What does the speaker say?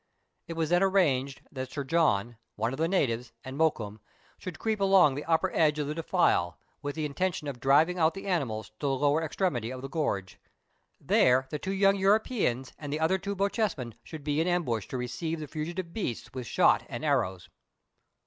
It was then arranged that Sir John, one of the natives, and Mokoum, should creep along the upper edge of the defile, with the intention of driving out the animals to the lower extremity of the gorge. There the two young Europeans and the other two Bochjesmen should be in ambush to receive the fugitive beasts with shot and arrows.